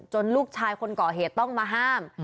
ลูกชายคนก่อเหตุต้องมาห้าม